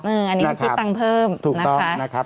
อืมอันนี้พริกตั้งเพิ่มนะคะถูกต้องนะครับ